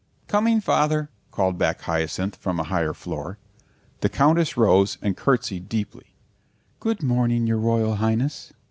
"Coming, Father," called back Hyacinth, from a higher floor. The Countess rose and curtsied deeply. "Good morning, your Royal Highness."